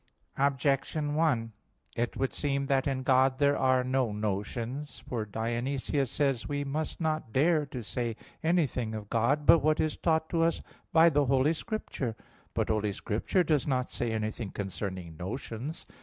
Objection 1: It would seem that in God there are no notions. For Dionysius says (Div. Nom. i): "We must not dare to say anything of God but what is taught to us by the Holy Scripture." But Holy Scripture does not say anything concerning notions.